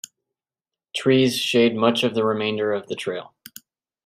Trees shade much of the remainder of the trail.